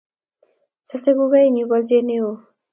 Sosei kukoenyu bolche neoo